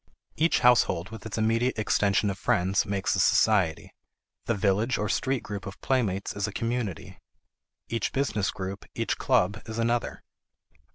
Each household with its immediate extension of friends makes a society; the village or street group of playmates is a community; each business group, each club, is another.